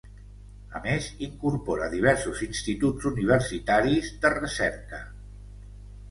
A més, incorpora diversos instituts universitaris de recerca.